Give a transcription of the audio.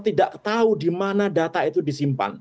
tidak tahu di mana data itu disimpan